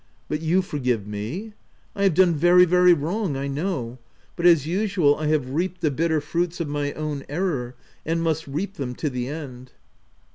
But you forgive me ?— T have done very, very wrong, I know ; but, as usual, I have reaped the bitter fruits of my own error, — and must reap them to the end."